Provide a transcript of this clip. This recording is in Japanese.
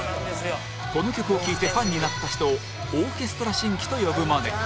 この曲を聴いてファンになった人を「オーケストラ新規」と呼ぶまで